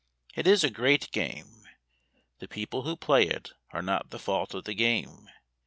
It is a great game: The people who play it are not the fault of the game.